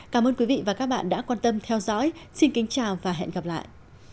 cảm ơn quý vị và các bạn đã quan tâm theo dõi xin kính chào và hẹn gặp lại